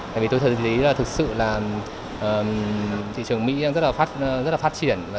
tại vì tôi thấy thực sự là thị trường mỹ đang rất là phát triển